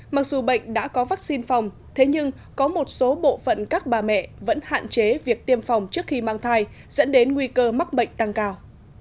mặc dù bệnh đã có vaccine phòng thế nhưng có một số bộ phận các bà mẹ vẫn hạn chế việc tiêm phòng trước khi mang thai dẫn đến nguy cơ mắc bệnh tăng cao